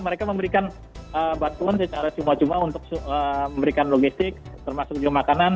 mereka memberikan bantuan secara cuma cuma untuk memberikan logistik termasuk juga makanan